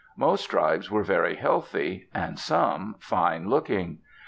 Most tribes were very healthy, and some fine looking.